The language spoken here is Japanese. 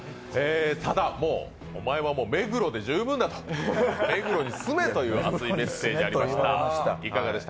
ただ、お前はもう目黒で十分だと、目黒に住めという熱いメッセージがありました。